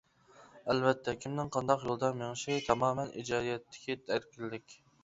ئەلۋەتتە، كىمنىڭ قانداق يولدا مېڭىشى تامامەن ئىجادىيەتتىكى ئەركىنلىك!